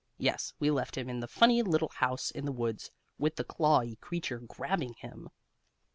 Yes, we left him in the funny little house in the woods, with the clawy creature grabbing him.